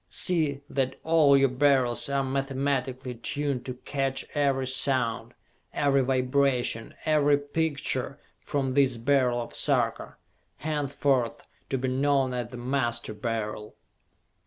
See that all your Beryls are mathematically tuned to catch every sound, every vibration, every picture, from this Beryl of Sarka, henceforth to be known as the Master Beryl!